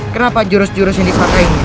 kenapa jurus jurus yang dipakai